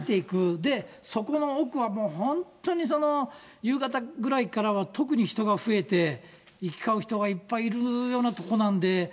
で、そこの奥はもう、本当に夕方ぐらいからは特に人が増えて行き交う人がいっぱいいるような所なんで。